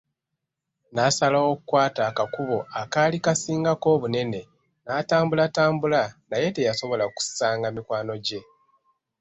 Naasalawo okukwata akakubo akaali kasingako obunene, n'atambulatambula, naye teyasobola kusanga mikwano gye.